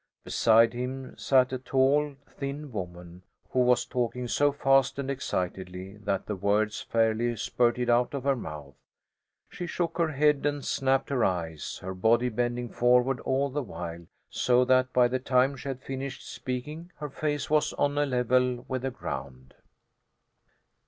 Beside him sat a tall, thin woman, who was talking so fast and excitedly that the words fairly spurted out of her mouth; she shook her head and snapped her eyes, her body bending forward all the while so that by the time she had finished speaking her face was on a level with the ground.